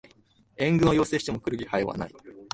援軍を要請しても来る気配はない